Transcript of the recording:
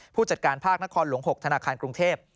ผู้จัดการภาคนครหลวง๖ธนาคารกรุงเทพ